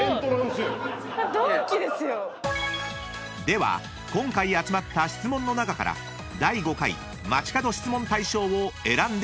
［では今回集まった質問の中から第５回街かど質問大賞を選んでいただきましょう］